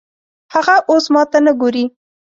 هغه اوس ماته نه ګوري